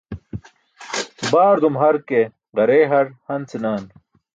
Baardum har ke ġareey har han senan.